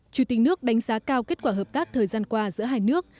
chủ tịch nước đánh giá cao kết quả hợp tác thời gian qua giữa hai nước